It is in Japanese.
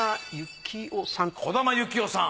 児玉幸雄さん。